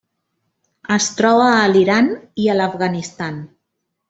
Es troba a l'Iran i a l'Afganistan.